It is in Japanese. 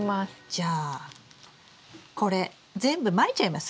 じゃあこれ全部まいちゃいます？